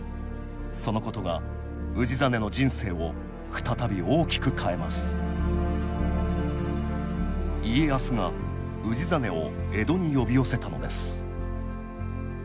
そのことが氏真の人生を再び大きく変えます家康が氏真を江戸に呼び寄せたのです